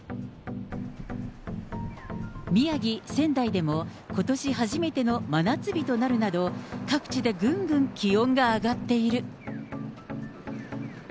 宮城・仙台でも、ことし初めての真夏日となるなど、各地でぐんぐん気温が上がっている。